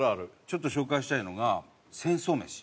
ちょっと紹介したいのが『戦争めし』。